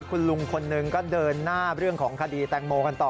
คุณลุงคนหนึ่งก็เดินหน้าเรื่องของคดีแตงโมกันต่อ